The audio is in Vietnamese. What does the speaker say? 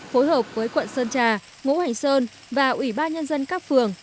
phối hợp với quận sơn trà ngũ hành sơn và ủy ban nhân dân các phường